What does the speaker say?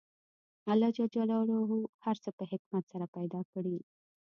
الله ج هر څه په حکمت سره پیدا کړي